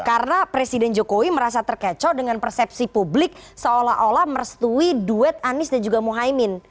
karena presiden jokowi merasa terkecoh dengan persepsi publik seolah olah merestui duet anis dan juga mohaimin